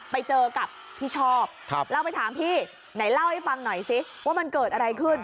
ไปเจอกับพี่ชอบเราไปถามพี่ไหนเล่าให้ฟังหน่อยสิว่ามันเกิดอะไรขึ้น